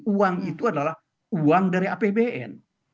uang itu adalah uang dari apbn